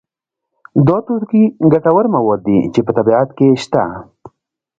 دا توکي ګټور مواد دي چې په طبیعت کې شته.